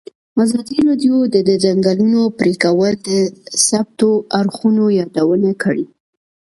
ازادي راډیو د د ځنګلونو پرېکول د مثبتو اړخونو یادونه کړې.